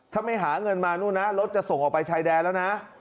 ถ้าไม่หาเงินมานู่นนะรถจะส่งออกไปชายแดนแล้วนะ